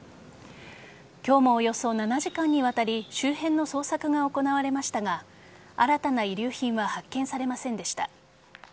今日もおよそ７時間にわたり周辺の捜索が行われましたが新たな遺留品は発見されませんでした。